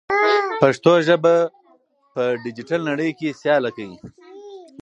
پښتو ژبه په ډیجیټل نړۍ کې سیاله کړئ.